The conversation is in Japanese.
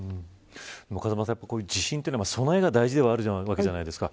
風間さん、地震というのは備えが大事ではあるじゃないですか。